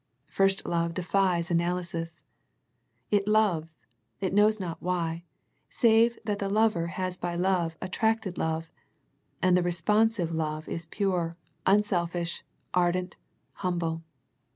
First love defies analysis. It loves, it knows not why, save that the lover has by love at tracted love, and the responsive love is pure, unselfish, ardent, humble.